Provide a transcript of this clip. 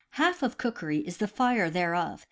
Half of cookery is the fire thereof.